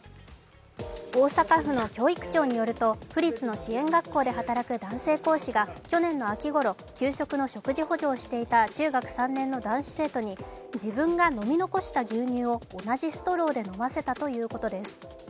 大阪府の教育庁によると府立支援学校で働く男性講師が去年の秋ごろ、給食の食事補助をしていた中学３年の男子生徒に自分が飲み残した牛乳を同じストローで飲ませたということです。